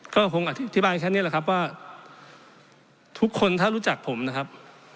ก็คงอธิบายแค่นี้แหละครับว่าทุกคนถ้ารู้จักผมนะครับ